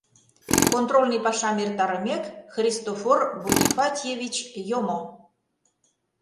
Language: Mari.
Контрольный пашам эртарымек, Христофор Бонифатьевич йомо.